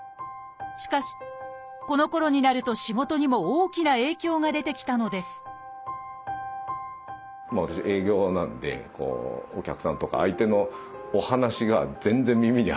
しかしこのころになると仕事にも大きな影響が出てきたのです私営業なんで変な汗はいっぱい出てくるし。